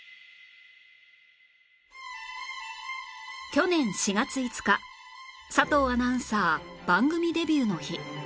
去年４月５日佐藤アナウンサー番組デビューの日